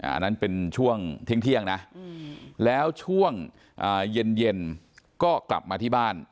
อันนั้นเป็นช่วงเที่ยงนะแล้วช่วงเย็นก็กลับมาที่บ้าน